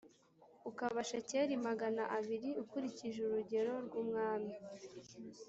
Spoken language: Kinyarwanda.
ukaba shekeli magana abiri ukurikije urugero rw’umwami.